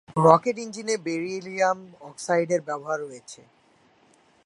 Rocket ইঞ্জিনে beryllium অক্সাইডের ব্যবহার রয়েছে।